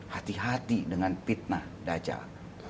hati hati dengan fitnah dajah